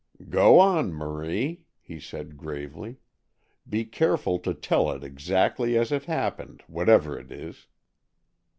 "Go on, Marie," he said gravely. "Be careful to tell it exactly as it happened, whatever it is."